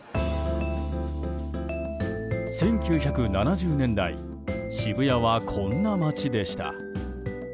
１９７０年代渋谷はこんな街でした。